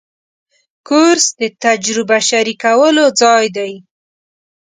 کورس د تجربه شریکولو ځای دی.